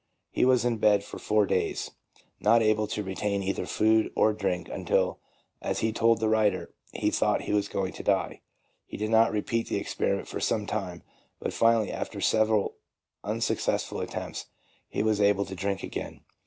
He was in bed four days, not able to retain either food or drink until, as he told the writer, he thought he was going to die. He did not repeat the experiment for some time, but finally, after several unsuccessful attempts, he was able to drink again.